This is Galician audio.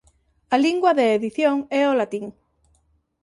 A lingua de edición é o latín.